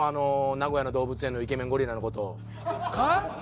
名古屋の動物園のイケメンゴリラの事を。